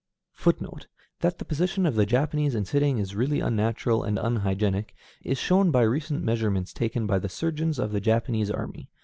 That the position of the Japanese in sitting is really unnatural and unhygienic, is shown by recent measurements taken by the surgeons of the Japanese army.